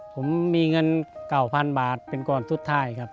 ผมมีเงิน๙๐๐๐บาทเป็นกรทุศไทยครับ